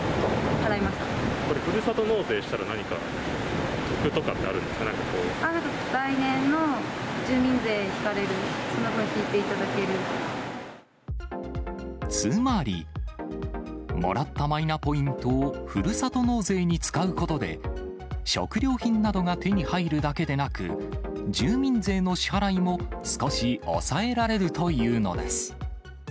これ、ふるさと納税したら何か、来年の住民税引かれる、つまり、もらったマイナポイントをふるさと納税に使うことで、食料品などが手に入るだけでなく、住民税の支払いも少し抑えられるというのです。